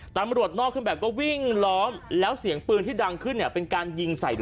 ตำรวจนอกขึ้นแบบว่าวิ่งล้อมแล้วเสียงปืนที่ดังขึ้นเนี้ยเป็นการยิงสายล้อ